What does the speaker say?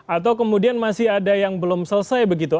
atau kemudian masih ada yang belum selesai begitu